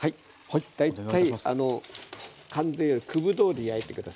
大体完全より九分どおり焼いて下さいね。